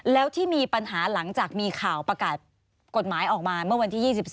แล้วที่มีปัญหาหลังจากมีข่าวประกาศกฎหมายออกมาเมื่อวันที่๒๔